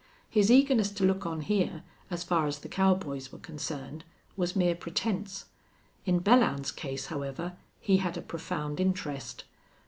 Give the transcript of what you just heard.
His eagerness to look on here, as far as the cowboys were concerned, was mere pretense. In Belllounds's case, however, he had a profound interest.